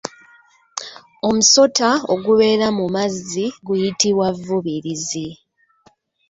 Omusota ogubeera mu amazzi guyitibwa Vvubirizi.